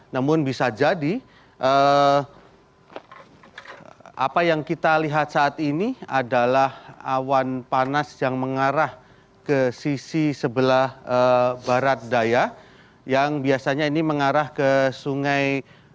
namun bisa jadi apa yang kita lihat saat ini adalah awan panas yang mengarah ke sisi sebelah barat daya yang biasanya ini mengarah ke sungai